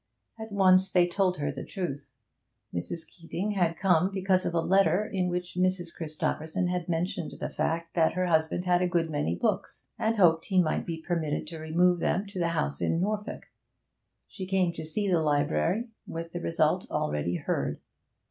At once they told her the truth. Mrs. Keeting had come because of a letter in which Mrs. Christopherson had mentioned the fact that her husband had a good many books, and hoped he might be permitted to remove them to the house in Norfolk. She came to see the library with the result already heard.